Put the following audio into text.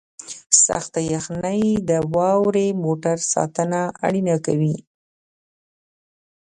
سخته یخنۍ د واورې موټر ساتنه اړینه کوي